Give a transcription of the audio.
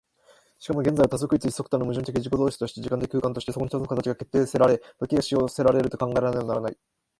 しかも現在は多即一一即多の矛盾的自己同一として、時間的空間として、そこに一つの形が決定せられ、時が止揚せられると考えられねばならない。